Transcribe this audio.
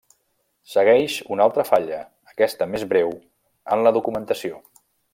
Segueix una altra falla, aquesta més breu, en la documentació.